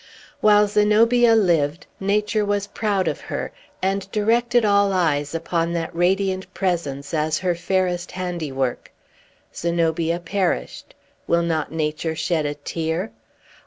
While Zenobia lived, Nature was proud of her, and directed all eyes upon that radiant presence, as her fairest handiwork. Zenobia perished. Will not Nature shed a tear?